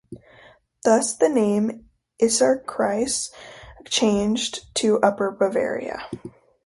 Thus, the name Isarkreis changed to Upper Bavaria.